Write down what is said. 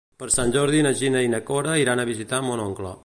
Per Sant Jordi na Gina i na Cora iran a visitar mon oncle.